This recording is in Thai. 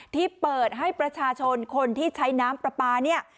ที่เปิดให้ประชาชนคนที่ใช้น้ำปลาปลาเนี่ย